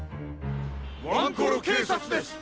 ワンコロけいさつです！